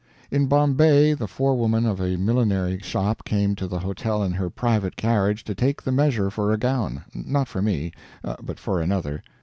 In Bombay the forewoman of a millinery shop came to the hotel in her private carriage to take the measure for a gown not for me, but for another.